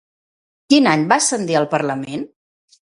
Quin any va ascendir al Parlament?